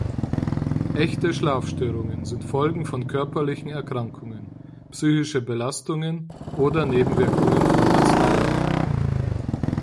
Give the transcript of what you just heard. Echte Schlafstörungen sind Folgen von körperlichen Erkrankungen, psychische Belastungen oder Nebenwirkungen von Arzneimitteln.